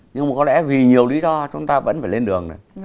nhưng mà có lẽ vì nhiều lý do chúng ta vẫn phải lên đường này